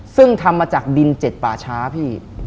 ซึ่งทำมาจากดินเจ็ดป่าช้าพี่